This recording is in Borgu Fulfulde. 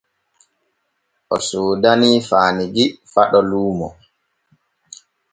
O soodanii Faanugui Faɗo luumo.